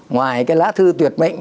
ngoài cái lá thư tuyệt mệnh